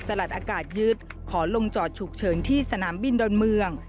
ลัดอากาศยึดขอลงจอดฉุกเฉินที่สนามบินดอนเมือง